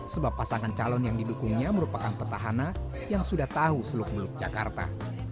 sebab pasangan calon yang didukungnya merupakan petahana yang sudah tahu seluk beluk jakarta